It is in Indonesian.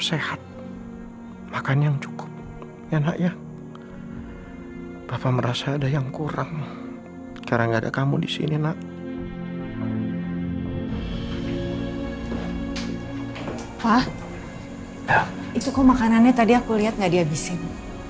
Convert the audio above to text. itu kok makanannya tadi aku liat gak dihabisin